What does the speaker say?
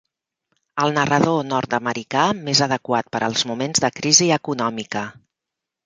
El narrador nord-americà més adequat per als moments de crisi econòmica.